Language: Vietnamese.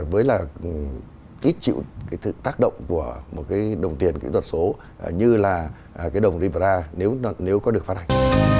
với là ít chịu cái tác động của một cái đồng tiền kỹ thuật số như là cái đồng libra nếu có được phát hành